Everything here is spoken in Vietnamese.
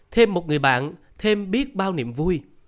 thêm một người bạn thêm biết bao niềm vui